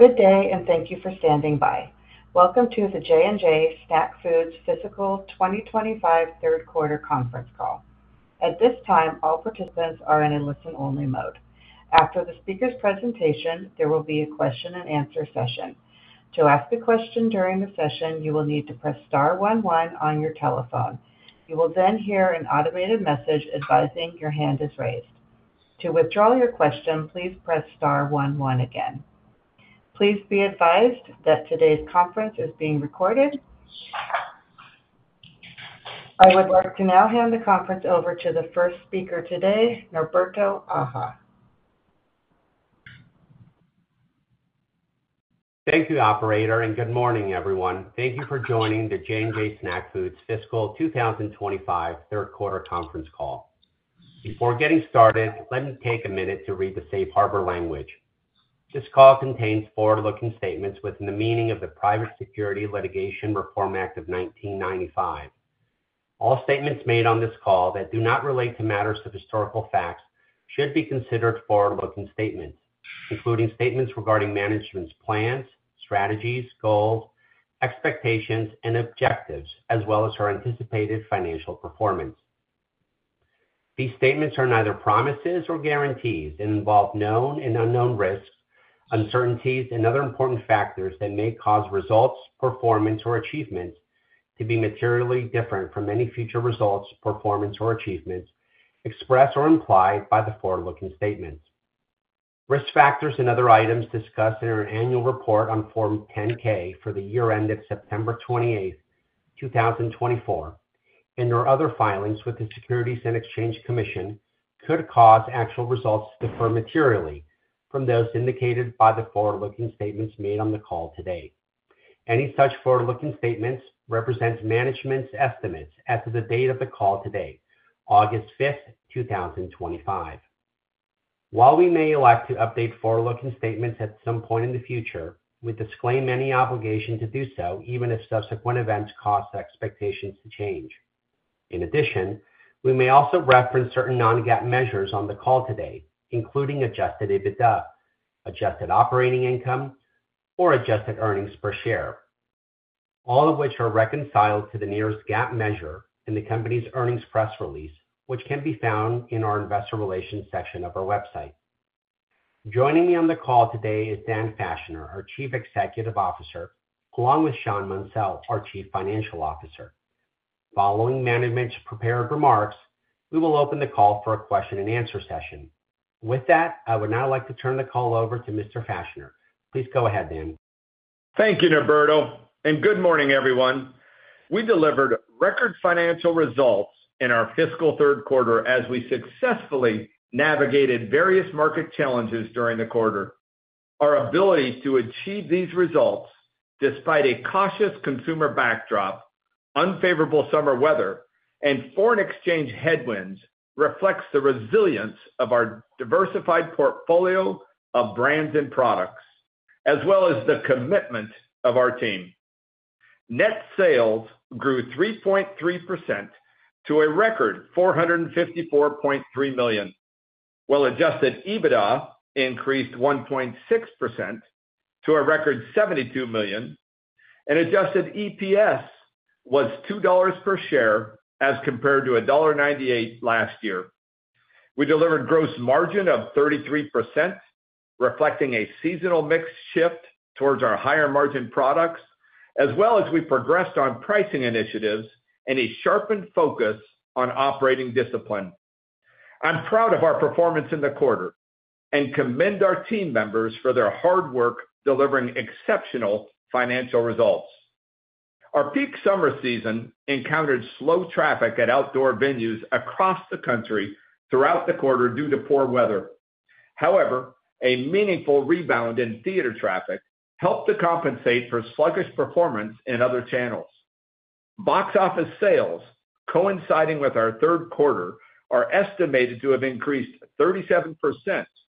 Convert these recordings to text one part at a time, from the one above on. Good day and thank you for standing by. Welcome to the J&J Snack Foods Fiscal 2025 Third Quarter Conference Call. At this time, all participants are in a listen-only mode. After the speaker's presentation, there will be a question and answer session. To ask a question during the session, you will need to press star one one on your telephone. You will then hear an automated message advising your hand is raised. To withdraw your question, please press star one one again. Please be advised that today's conference is being recorded. I would like to now hand the conference over to the first speaker today, Norberto Aja. Thank you, Operator, and good morning, everyone. Thank you for joining the J&J Snack Foods Fiscal 2025 Third Quarter Conference Call. Before getting started, let me take a minute to read the safe harbor language. This call contains forward-looking statements within the meaning of the Private Securities Litigation Reform Act of 1995. All statements made on this call that do not relate to matters of historical facts should be considered forward-looking statements, including statements regarding management's plans, strategies, goals, expectations, and objectives, as well as our anticipated financial performance. These statements are neither promises nor guarantees and involve known and unknown risks, uncertainties, and other important factors that may cause results, performance, or achievements to be materially different from any future results, performance, or achievements expressed or implied by the forward-looking statements. Risk factors and other items discussed in our annual report on Form 10-K for the year ended September 28, 2024, and our other filings with the Securities and Exchange Commission could cause actual results to differ materially from those indicated by the forward-looking statements made on the call today. Any such forward-looking statements represent management's estimates as of the date of the call today, August 5th, 2025. While we may elect to update forward-looking statements at some point in the future, we disclaim any obligation to do so, even if subsequent events cause expectations to change. In addition, we may also reference certain non-GAAP measures on the call today, including adjusted EBITDA, adjusted operating income, or adjusted earnings per share, all of which are reconciled to the nearest GAAP measure in the company's earnings press release, which can be found in our investor relations section of our website. Joining me on the call today is Dan Fachner, our Chief Executive Officer, along with Shawn Munsell, our Chief Financial Officer. Following management's prepared remarks, we will open the call for a question and answer session. With that, I would now like to turn the call over to Mr. Fachner. Please go ahead, Dan. Thank you, Norberto, and good morning, everyone. We delivered record financial results in our fiscal third quarter as we successfully navigated various market challenges during the quarter. Our ability to achieve these results, despite a cautious consumer backdrop, unfavorable summer weather, and foreign exchange headwinds, reflects the resilience of our diversified portfolio of brands and products, as well as the commitment of our team. Net sales grew 3.3% to a record $454.3 million, while adjusted EBITDA increased 1.6% to a record $72 million, and adjusted EPS was $2 per share as compared to $1.98 last year. We delivered a gross margin of 33%, reflecting a seasonal mix shift towards our higher margin products, as well as we progressed on pricing initiatives and a sharpened focus on operating discipline. I'm proud of our performance in the quarter and commend our team members for their hard work delivering exceptional financial results. Our peak summer season encountered slow traffic at outdoor venues across the country throughout the quarter due to poor weather. However, a meaningful rebound in theater traffic helped to compensate for sluggish performance in other channels. Box office sales, coinciding with our third quarter, are estimated to have increased 37%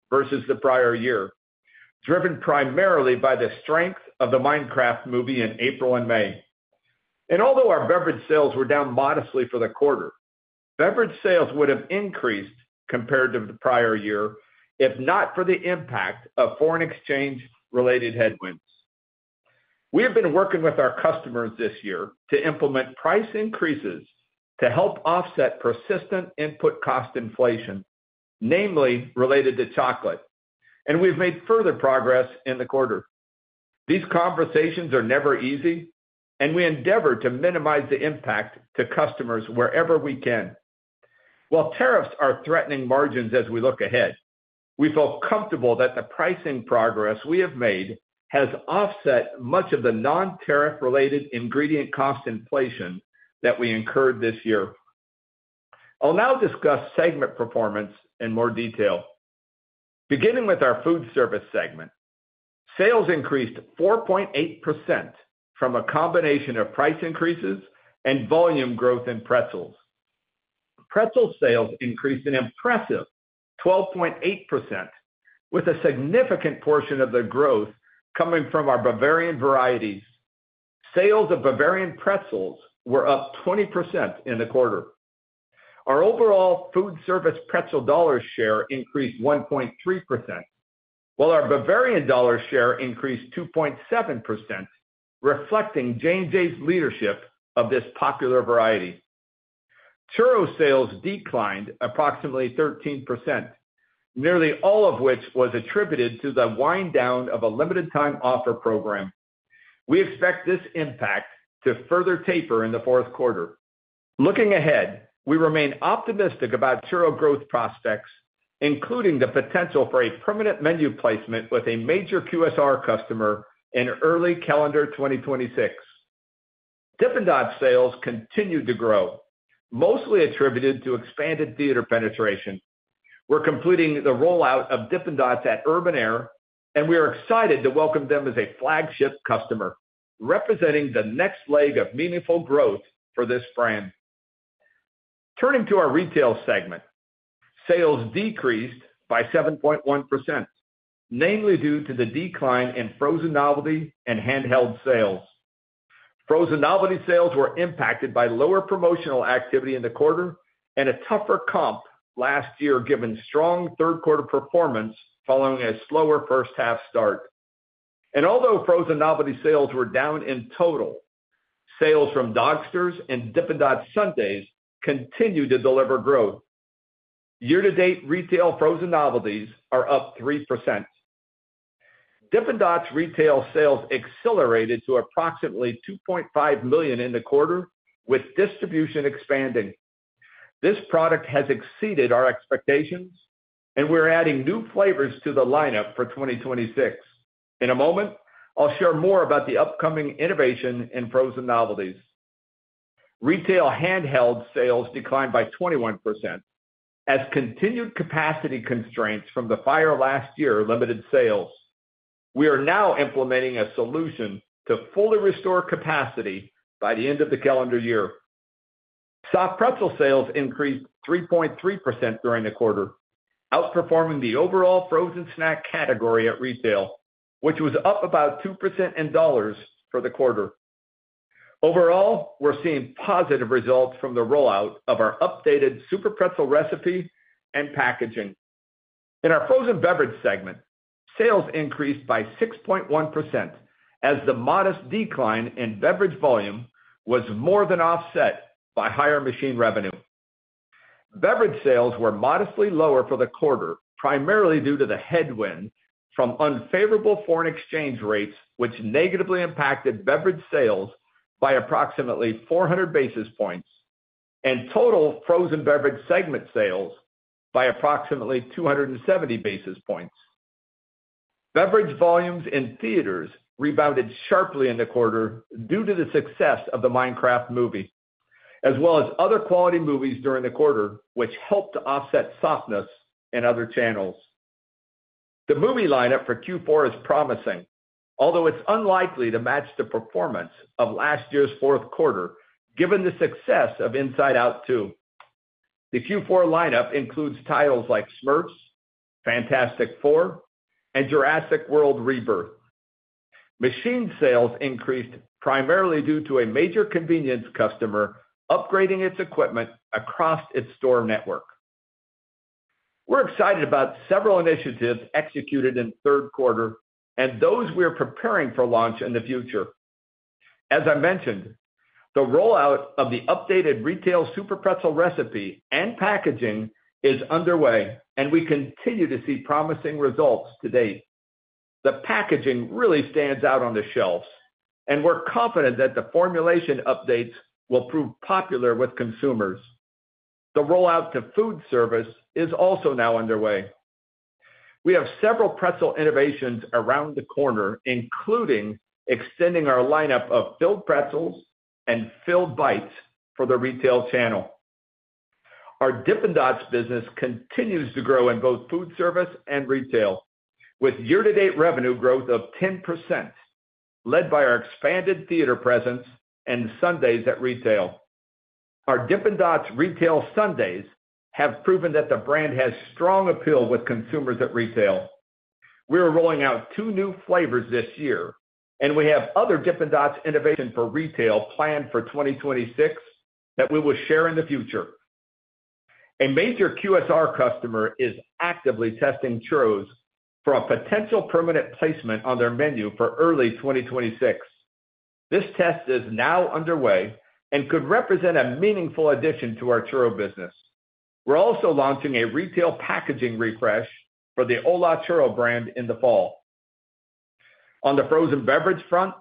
versus the prior year, driven primarily by the strength of the Minecraft movie in April and May. Although our beverage sales were down modestly for the quarter, beverage sales would have increased compared to the prior year if not for the impact of foreign exchange-related headwinds. We have been working with our customers this year to implement price increases to help offset persistent input cost inflation, namely related to chocolate, and we've made further progress in the quarter. These conversations are never easy, and we endeavor to minimize the impact to customers wherever we can. While tariffs are threatening margins as we look ahead, we feel comfortable that the pricing progress we have made has offset much of the non-tariff-related ingredient cost inflation that we incurred this year. I'll now discuss segment performance in more detail. Beginning with our food service segment, sales increased 4.8% from a combination of price increases and volume growth in pretzels. Pretzel sales increased an impressive 12.8%, with a significant portion of the growth coming from our Bavarian varieties. Sales of Bavarian pretzels were up 20% in the quarter. Our overall food service pretzel dollar share increased 1.3%, while our Bavarian dollar share increased 2.7%, reflecting J&J's leadership of this popular variety. Churro sales declined approximately 13%, nearly all of which was attributed to the wind-down of a limited-time offer program. We expect this impact to further taper in the fourth quarter. Looking ahead, we remain optimistic about churro growth prospects, including the potential for a permanent menu placement with a major QSR customer in early calendar 2026. Dippin' Dots sales continued to grow, mostly attributed to expanded theater penetration. We're completing the rollout of Dippin' Dots at Urban Air, and we are excited to welcome them as a flagship customer, representing the next leg of meaningful growth for this brand. Turning to our retail segment, sales decreased by 7.1%, namely due to the decline in frozen novelty and handheld sales. Frozen novelty sales were impacted by lower promotional activity in the quarter and a tougher comp last year, given strong third-quarter performance following a slower first-half start. Although frozen novelty sales were down in total, sales from Dogsters and Dippin' Dots Sundaes continued to deliver growth. Year-to-date retail frozen novelties are up 3%. Dippin' Dots retail sales accelerated to approximately $2.5 million in the quarter, with distribution expanding. This product has exceeded our expectations, and we're adding new flavors to the lineup for 2026. In a moment, I'll share more about the upcoming innovation in frozen novelties. Retail handheld sales declined by 21% as continued capacity constraints from the fire last year limited sales. We are now implementing a solution to fully restore capacity by the end of the calendar year. Soft pretzel sales increased 3.3% during the quarter, outperforming the overall frozen snack category at retail, which was up about 2% in dollars for the quarter. Overall, we're seeing positive results from the rollout of our updated SUPERPRETZEL recipe and packaging. In our frozen beverage segment, sales increased by 6.1% as the modest decline in beverage volume was more than offset by higher machine revenue. Beverage sales were modestly lower for the quarter, primarily due to the headwind from unfavorable foreign exchange rates, which negatively impacted beverage sales by approximately 400 basis points and total frozen beverage segment sales by approximately 270 basis points. Beverage volumes in theaters rebounded sharply in the quarter due to the success of the Minecraft movie, as well as other quality movies during the quarter, which helped offset softness in other channels. The movie lineup for Q4 is promising, although it's unlikely to match the performance of last year's fourth quarter, given the success of Inside Out 2. The Q4 lineup includes titles like Smurfs, Fantastic Four, and Jurassic World: Rebirth. Machine sales increased primarily due to a major convenience customer upgrading its equipment across its store network. We're excited about several initiatives executed in the third quarter and those we are preparing for launch in the future. As I mentioned, the rollout of the updated retail SUPERPRETZEL recipe and packaging is underway, and we continue to see promising results to date. The packaging really stands out on the shelves, and we're confident that the formulation updates will prove popular with consumers. The rollout to food service is also now underway. We have several pretzel innovations around the corner, including extending our lineup of filled pretzels and filled bites for the retail channel. Our Dippin' Dots business continues to grow in both food service and retail, with year-to-date revenue growth of 10%, led by our expanded theater presence and Sundaes at retail. Our Dippin' Dots retail Sundaes have proven that the brand has strong appeal with consumers at retail. We are rolling out two new flavors this year, and we have other Dippin' Dots innovations for retail planned for 2026 that we will share in the future. A major QSR customer is actively testing churros for a potential permanent placement on their menu for early 2026. This test is now underway and could represent a meaningful addition to our churro business. We're also launching a retail packaging refresh for the Hola Churros brand in the fall. On the frozen beverage front,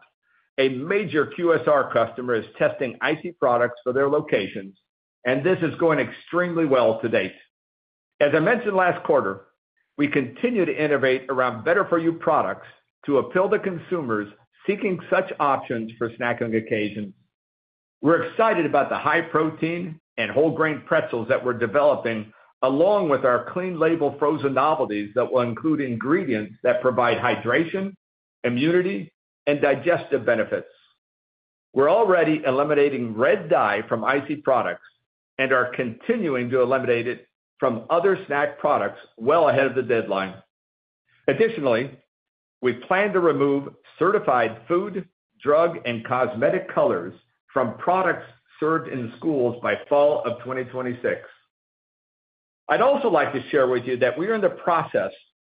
a major QSR customer is testing icy products for their locations, and this is going extremely well to date. As I mentioned last quarter, we continue to innovate around better-for-you products to appeal to consumers seeking such options for snacking occasions. We're excited about the high-protein and whole grain pretzels that we're developing, along with our clean-label frozen novelties that will include ingredients that provide hydration, immunity, and digestive benefits. We're already eliminating red dye from icy products and are continuing to eliminate it from other snack products well ahead of the deadline. Additionally, we plan to remove certified food, drug, and cosmetic colors from products served in schools by fall of 2026. I'd also like to share with you that we are in the process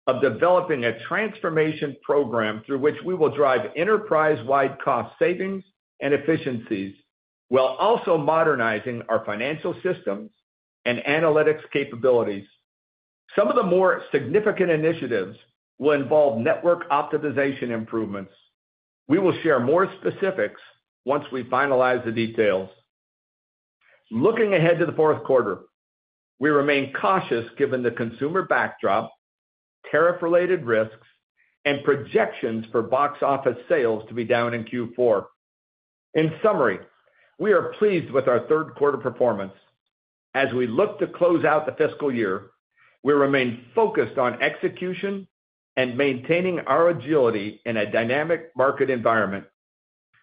of developing a transformation program through which we will drive enterprise-wide cost savings and efficiencies while also modernizing our financial system and analytics capabilities. Some of the more significant initiatives will involve network optimization improvements. We will share more specifics once we finalize the details. Looking ahead to the fourth quarter, we remain cautious given the consumer backdrop, tariff-related risks, and projections for box office sales to be down in Q4. In summary, we are pleased with our third quarter performance. As we look to close out the fiscal year, we remain focused on execution and maintaining our agility in a dynamic market environment.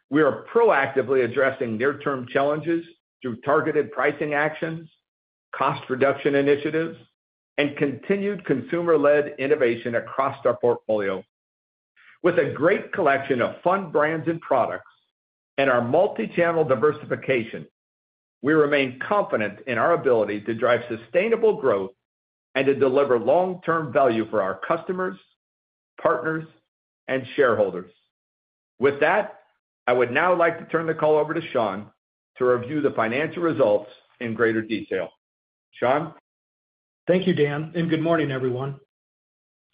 We are proactively addressing near-term challenges through targeted pricing actions, cost reduction initiatives, and continued consumer-led innovation across our portfolio. With a great collection of fun brands and products and our multi-channel diversification, we remain confident in our ability to drive sustainable growth and to deliver long-term value for our customers, partners, and shareholders. With that, I would now like to turn the call over to Shawn to review the financial results in greater detail. Shawn? Thank you, Dan, and good morning, everyone.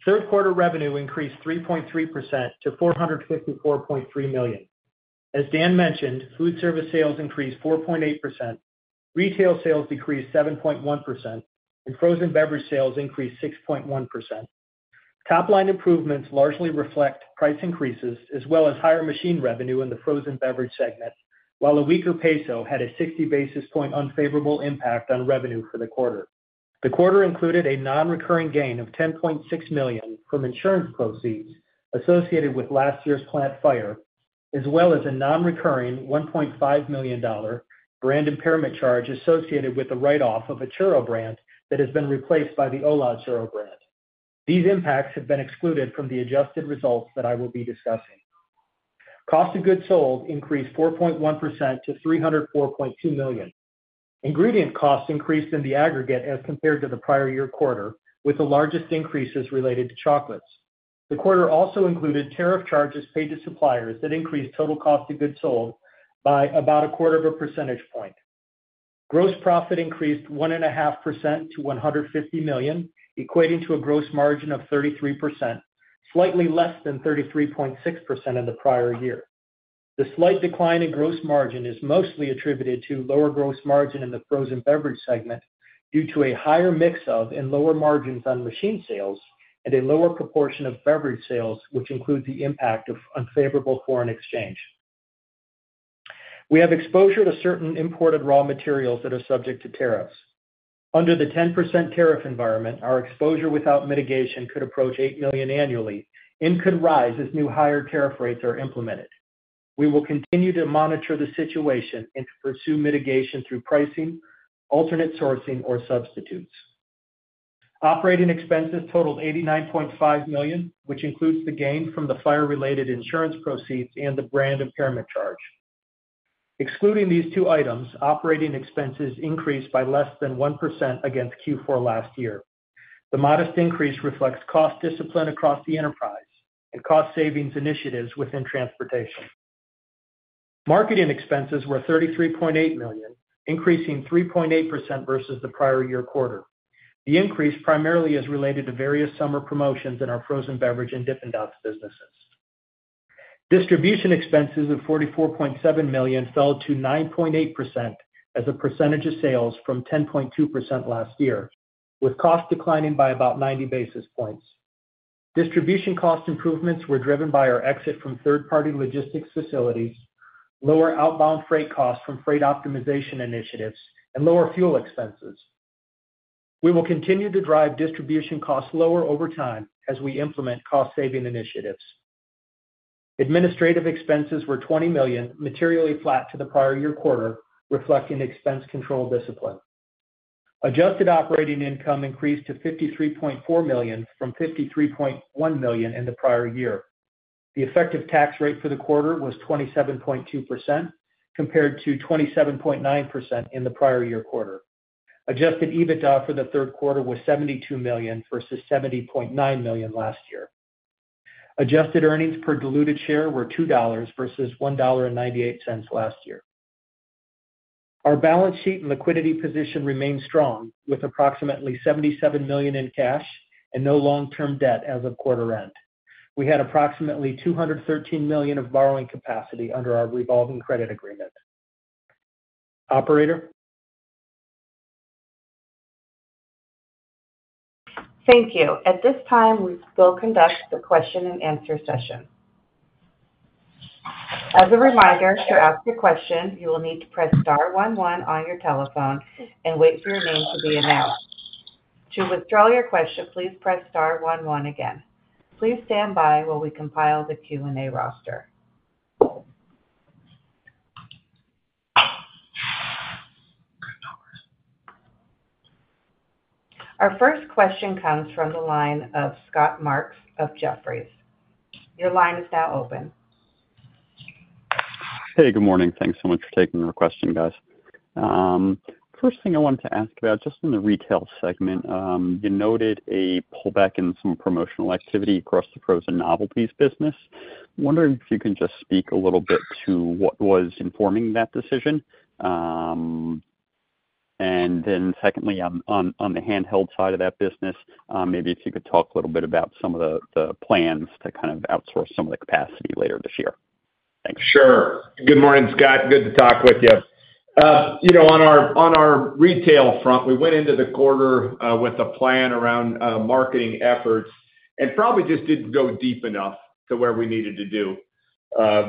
Third quarter revenue increased 3.3% to $454.3 million. As Dan mentioned, food service sales increased 4.8%, retail sales decreased 7.1%, and frozen beverage sales increased 6.1%. Top line improvements largely reflect price increases as well as higher machine revenue in the frozen beverage segment, while a weaker peso had a 60 basis point unfavorable impact on revenue for the quarter. The quarter included a non-recurring gain of $10.6 million from insurance proceeds associated with last year's plant fire, as well as a non-recurring $1.5 million brand impairment charge associated with the write-off of a churro brand that has been replaced by the Hola Churros brand. These impacts have been excluded from the adjusted results that I will be discussing. Cost of goods sold increased 4.1% to $304.2 million. Ingredient costs increased in the aggregate as compared to the prior year quarter, with the largest increases related to chocolates. The quarter also included tariff charges paid to suppliers that increased total cost of goods sold by about 1/4 of a percentage point. Gross profit increased 1.5% to $150 million, equating to a gross margin of 33%, slightly less than 33.6% in the prior year. The slight decline in gross margin is mostly attributed to lower gross margin in the frozen beverage segment due to a higher mix of and lower margins on machine sales and a lower proportion of beverage sales, which includes the impact of unfavorable foreign exchange. We have exposure to certain imported raw materials that are subject to tariffs. Under the 10% tariff environment, our exposure without mitigation could approach $8 million annually and could rise as new higher tariff rates are implemented. We will continue to monitor the situation and pursue mitigation through pricing, alternate sourcing, or substitutes. Operating expenses totaled $89.5 million, which includes the gain from the fire-related insurance proceeds and the brand impairment charge. Excluding these two items, operating expenses increased by less than 1% against Q4 last year. The modest increase reflects cost discipline across the enterprise and cost savings initiatives within transportation. Marketing expenses were $33.8 million, increasing 3.8% versus the prior year quarter. The increase primarily is related to various summer promotions in our frozen beverage and Dippin' Dots businesses. Distribution expenses of $44.7 million fell to 9.8% as a percentage of sales from 10.2% last year, with cost declining by about 90 basis points. Distribution cost improvements were driven by our exit from third-party logistics facilities, lower outbound freight costs from freight optimization initiatives, and lower fuel expenses. We will continue to drive distribution costs lower over time as we implement cost-saving initiatives. Administrative expenses were $20 million, materially flat to the prior year quarter, reflecting expense control discipline. Adjusted operating income increased to $53.4 million from $53.1 million in the prior year. The effective tax rate for the quarter was 27.2% compared to 27.9% in the prior year quarter. Adjusted EBITDA for the third quarter was $72 million versus $70.9 million last year. Adjusted earnings per diluted share were $2 versus $1.98 last year. Our balance sheet and liquidity position remained strong, with approximately $77 million in cash and no long-term debt as of quarter end. We had approximately $213 million of borrowing capacity under our revolving credit agreement. Operator? Thank you. At this time, we will conduct the question and answer session. As a reminder, to ask a question, you will need to press star one one on your telephone and wait for your name to be announced. To withdraw your question, please press star one one again. Please stand by while we compile the Q&A roster. Our first question comes from the line of Scott Marks of Jefferies. Your line is now open. Hey, good morning. Thanks so much for taking the request, guys. First thing I wanted to ask about, just in the retail segment, you noted a pullback in some promotional activity across the frozen novelties business. I'm wondering if you can just speak a little bit to what was informing that decision. Secondly, on the handheld side of that business, maybe if you could talk a little bit about some of the plans to kind of outsource some of the capacity later this year. Thanks. Sure. Good morning, Scott. Good to talk with you. You know, on our retail front, we went into the quarter with a plan around marketing efforts and probably just didn't go deep enough to where we needed to do.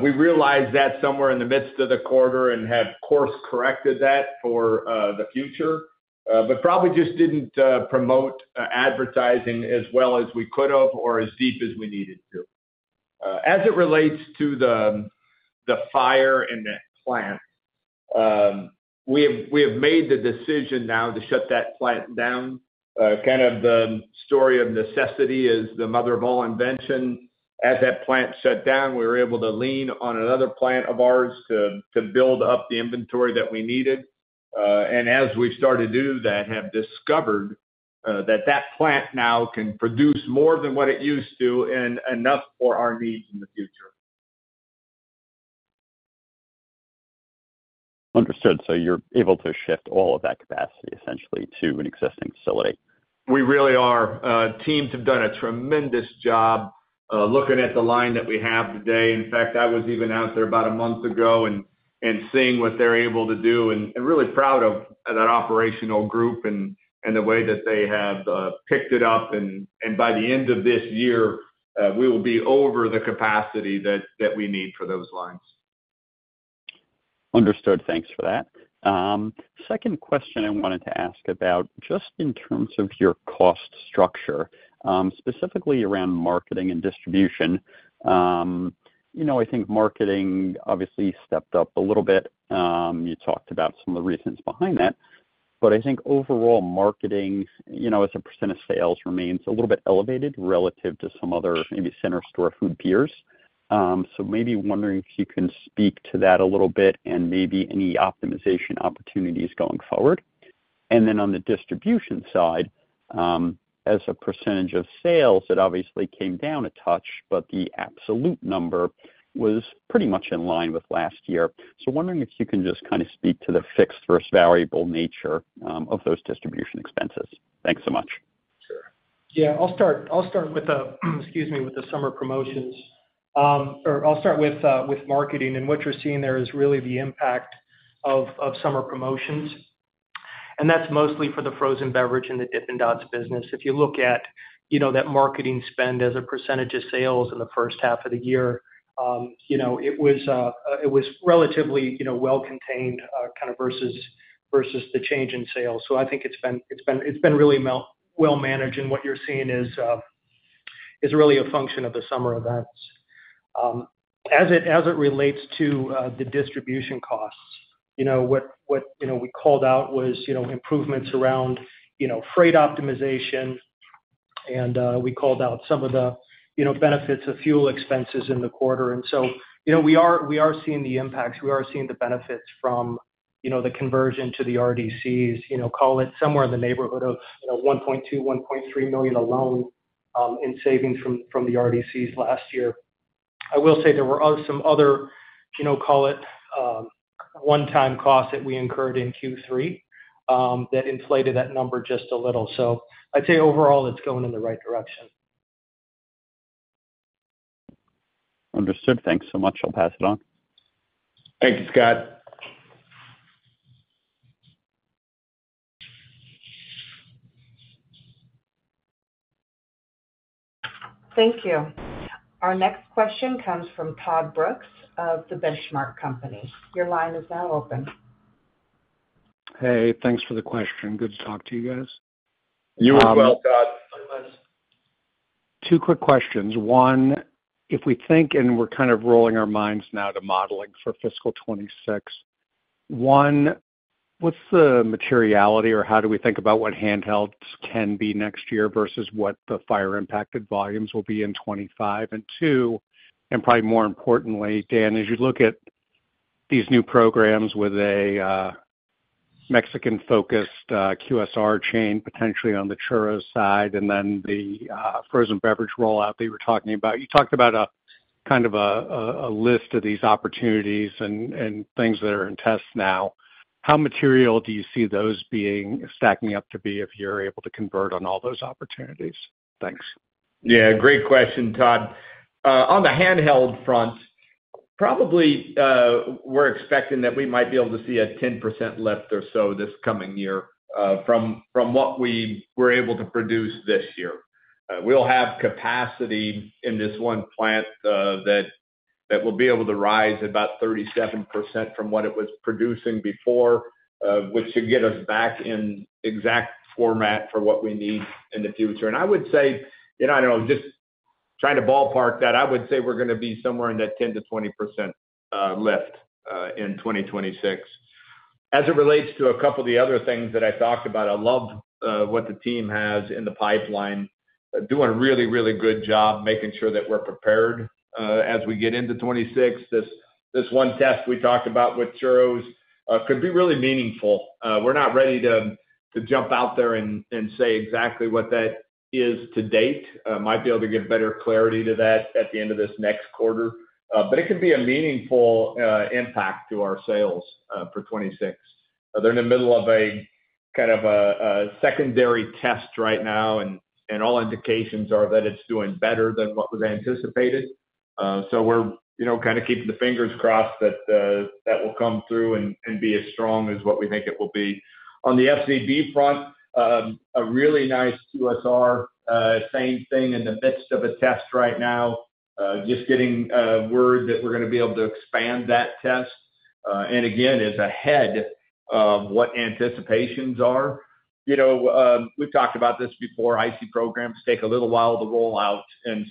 We realized that somewhere in the midst of the quarter and have course-corrected that for the future, but probably just didn't promote advertising as well as we could have or as deep as we needed to. As it relates to the fire in that plant, we have made the decision now to shut that plant down. The story of necessity is the mother of all invention. As that plant shut down, we were able to lean on another plant of ours to build up the inventory that we needed. As we started to do that, we have discovered that that plant now can produce more than what it used to and enough for our needs in the future. Understood. You're able to shift all of that capacity essentially to an existing facility. We really are. Teams have done a tremendous job looking at the line that we have today. In fact, I was even out there about a month ago, seeing what they're able to do, and really proud of that operational group and the way that they have picked it up. By the end of this year, we will be over the capacity that we need for those lines. Understood. Thanks for that. Second question I wanted to ask about, just in terms of your cost structure, specifically around marketing and distribution. I think marketing obviously stepped up a little bit. You talked about some of the reasons behind that. I think overall marketing, as a percent of sales, remains a little bit elevated relative to some other maybe center store food peers. Maybe wondering if you can speak to that a little bit and any optimization opportunities going forward. On the distribution side, as a percentage of sales, it obviously came down a touch, but the absolute number was pretty much in line with last year. Wondering if you can just kind of speak to the fixed versus variable nature of those distribution expenses. Thanks so much. Yeah, I'll start with the summer promotions. I'll start with marketing. What you're seeing there is really the impact of summer promotions, and that's mostly for the frozen beverage and the Dippin' Dots business. If you look at that marketing spend as a percentage of sales in the first half of the year, it was relatively well-contained versus the change in sales. I think it's been really well managed. What you're seeing is really a function of the summer events. As it relates to the distribution costs, what we called out was improvements around freight optimization. We called out some of the benefits of fuel expenses in the quarter. We are seeing the impacts. We are seeing the benefits from the conversion to the RDCs, somewhere in the neighborhood of $1.2 million, $1.3 million alone in savings from the RDCs last year. I will say there were some other one-time costs that we incurred in Q3 that inflated that number just a little. I'd say overall it's going in the right direction. Understood. Thanks so much. I'll pass it on. Thank you, Scott. Thank you. Our next question comes from Todd Brooks of The Benchmark Company. Your line is now open. Hey, thanks for the question. Good to talk to you guys. You as well, Todd. Two quick questions. One, if we think, and we're kind of rolling our minds now to modeling for fiscal 2026, one, what's the materiality or how do we think about what handhelds can be next year versus what the fire-impacted volumes will be in 2025? Two, and probably more importantly, Dan, as you look at these new programs with a Mexican-focused QSR chain potentially on the churro side and then the frozen beverage rollout that you were talking about, you talked about a kind of a list of these opportunities and things that are in test now. How material do you see those being stacking up to be if you're able to convert on all those opportunities? Thanks. Yeah, great question, Todd. On the handheld front, probably we're expecting that we might be able to see a 10% lift or so this coming year from what we were able to produce this year. We'll have capacity in this one plant that will be able to rise about 37% from what it was producing before, which should get us back in exact format for what we need in the future. I would say, you know, I don't know, just trying to ballpark that, I would say we're going to be somewhere in that 10%-20% lift in 2026. As it relates to a couple of the other things that I talked about, I love what the team has in the pipeline, doing a really, really good job making sure that we're prepared as we get into 2026. This one test we talked about with churros could be really meaningful. We're not ready to jump out there and say exactly what that is to date. Might be able to give better clarity to that at the end of this next quarter. It could be a meaningful impact to our sales for 2026. They're in the middle of a kind of a secondary test right now, and all indications are that it's doing better than what was anticipated. We're, you know, kind of keeping the fingers crossed that that will come through and be as strong as what we think it will be. On the FCB front, a really nice QSR, same thing in the midst of a test right now, just getting a word that we're going to be able to expand that test. Again, it's ahead of what anticipations are. We've talked about this before, ICEE programs take a little while to roll out, and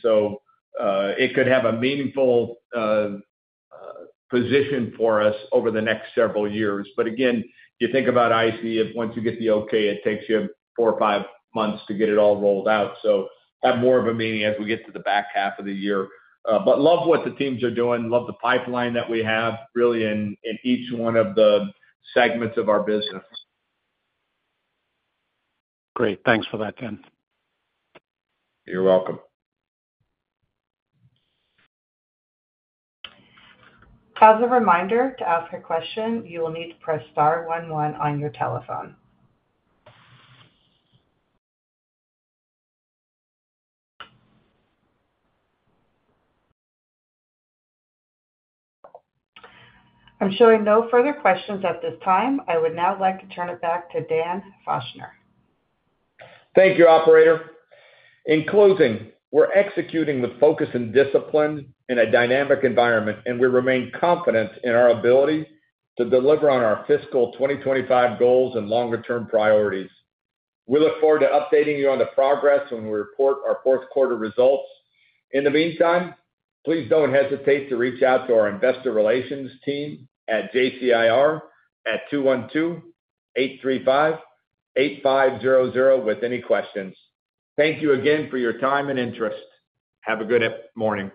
it could have a meaningful position for us over the next several years. You think about ICEE, if once you get the okay, it takes you four or five months to get it all rolled out. It will have more of a meaning as we get to the back half of the year. Love what the teams are doing, love the pipeline that we have really in each one of the segments of our business. Great. Thanks for that, Dan. You're welcome. As a reminder, to ask a question, you will need to press star one one on your telephone. I'm showing no further questions at this time. I would now like to turn it back to Dan Fachner. Thank you, Operator. In closing, we're executing with focus and discipline in a dynamic environment, and we remain confident in our ability to deliver on our fiscal 2025 goals and longer-term priorities. We look forward to updating you on the progress when we report our fourth quarter results. In the meantime, please don't hesitate to reach out to our investor relations team at JCIR at 212-835-8500 with any questions. Thank you again for your time and interest. Have a good morning.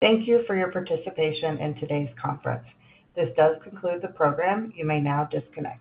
Thank you for your participation in today's conference. This does conclude the program. You may now disconnect.